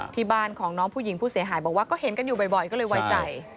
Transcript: ที่บ้านของน้องผู้หญิงผู้เสียหายบอกว่าก็เห็นกันอยู่บ่อยก็เลยไว้ใจ